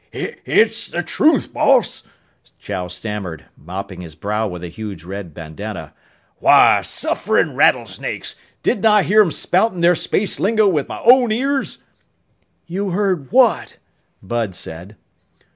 "It it's the truth, boss!" Chow stammered, mopping his brow with a huge red bandanna. "Why, sufferin' rattlesnakes, didn't I hear 'em spoutin' their space lingo with my own ears?" "You heard what?" Bud said.